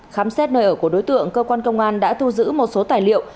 khám xét nơi ở của đối tượng cơ quan công an đã thu giữ một số tài liệu